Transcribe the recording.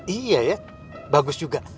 iya ya bagus juga